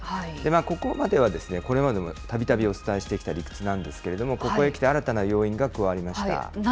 ここまではこれまでもたびたびお伝えしてきた理屈なんですけれども、ここへきて新たな要因が加わりました。